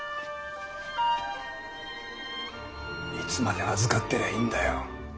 いつまで預かってりゃいいんだよ。